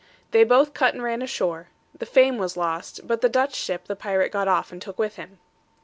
They both cut and ran ashore; the Fame was lost, but the Dutch ship the pirate got off and took with him.